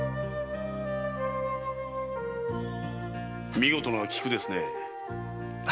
見事な菊ですね。